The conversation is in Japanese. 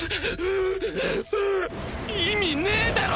意味ねぇだろ！！